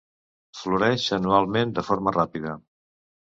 Floreix anualment de forma ràpida.